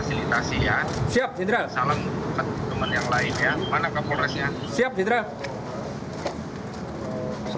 siap kompol jenderal